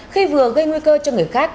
khi vừa gây nguy cơ cho người khác